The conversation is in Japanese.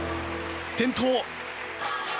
転倒。